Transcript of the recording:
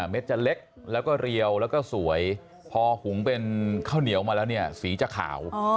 เด็ดจะเล็กแล้วก็เรียวแล้วก็สวยพอหุงเป็นข้าวเหนียวมาแล้วเนี่ยสีจะขาว